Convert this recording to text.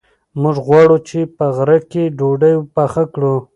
موږ غواړو چې په غره کې ډوډۍ پخه کړو.